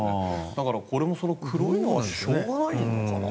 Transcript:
だから、これも黒いままなのはしょうがないのかな。